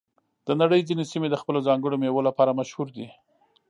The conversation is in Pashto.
د نړۍ ځینې سیمې د خپلو ځانګړو میوو لپاره مشهور دي.